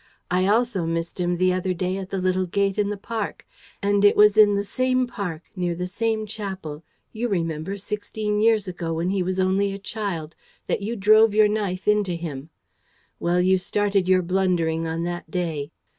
I also missed him the other day at the little gate in the park. And it was in the same park, near the same chapel you remember sixteen years ago, when he was only a child, that you drove your knife into him. ... Well, you started your blundering on that day."